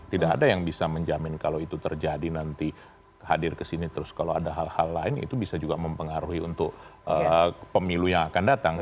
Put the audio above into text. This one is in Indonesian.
tidak ada yang bisa menjamin kalau itu terjadi nanti hadir kesini terus kalau ada hal hal lain itu bisa juga mempengaruhi untuk pemilu yang akan datang